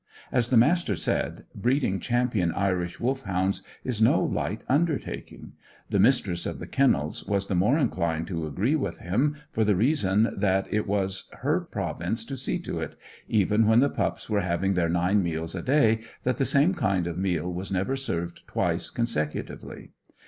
As the Master said, breeding champion Irish Wolfhounds is no light undertaking. The Mistress of the Kennels was the more inclined to agree with him for the reason that it was her province to see to it, even when the pups were having their nine meals a day, that the same kind of meal was never served twice consecutively.